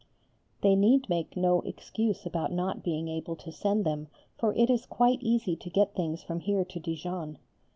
They need make no excuse about not being able to send them for it is quite easy to get things from here to Dijon.